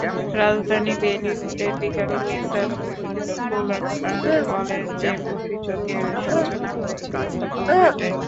রাজধানীর বেইলি রোডের Viqarunnisa Noon school and কলেজে প্রতিযোগের সূচনা হয়েছিল সকাল নয়টায়।